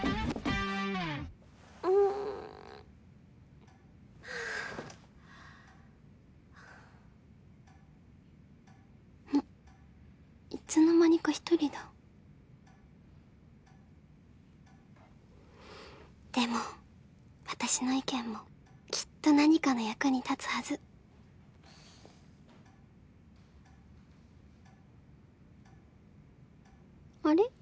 うんあっいつの間にか一人だでも私の意見もきっと何かの役に立つはずあれ？